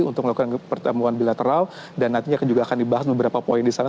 untuk melakukan pertemuan bilateral dan nantinya juga akan dibahas beberapa poin di sana